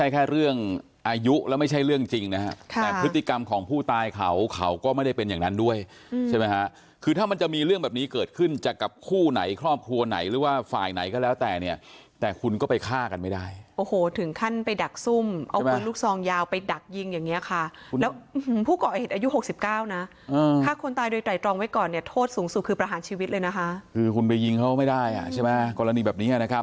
คือคุณไปยิงเขาไม่ได้อ่ะใช่มั้ยกรณีแบบนี้นะครับทุกผู้ชมครับ